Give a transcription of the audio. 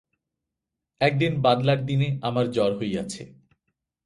একদিন বাদলার দিনে আমার জ্বর হইয়াছে।